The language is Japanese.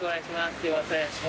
すいません。